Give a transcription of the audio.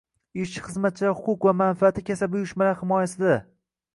Ishchi-xizmatchilar huquq va manfaati kasaba uyushmalari himoyasidang